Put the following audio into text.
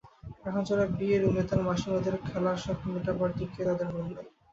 এখন যারা বিয়ের উমেদার, মাসিমাদের খেলার শখ মেটাবার দিকে তাদের মন নেই।